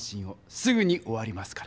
すぐに終わりますから。